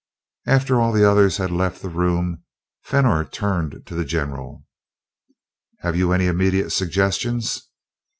After the others had left the room Fenor turned to the general. "Have you any immediate suggestions?"